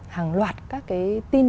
hàng loạt các cái tin